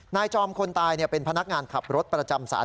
จอมคนตายเป็นพนักงานขับรถประจำศาล